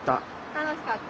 楽しかった？